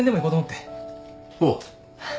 おう。